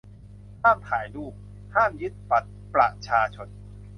ห้ามถ่ายรูป ห้ามยึดบัตรประชาชน